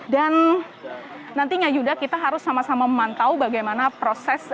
dan nantinya yuda kita harus sama sama memantau bagaimana proses